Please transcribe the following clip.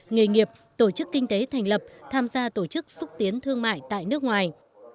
nghề nghiệp tổ chức kinh tế thành lập tham gia tổ chức xúc tiến thương mại tại nước ngoài